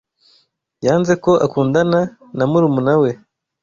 Yanze ko akundana na murumuna we.